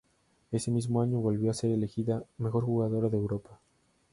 Ese mismo año volvió a ser elegida Mejor Jugadora de Europa.